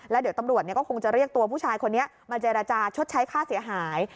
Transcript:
แล้วเดี๋ยวตำรวจก็คงจะเรียกตัวผู้ชายคนนี้มาเจรจาชดใช้ค่าเสียหาย